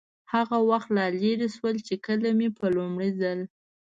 هغه وخت لا لرې شول، چې کله مې په لومړي ځل.